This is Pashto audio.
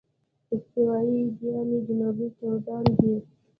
استوايي ګيني جنوبي سوډان دي.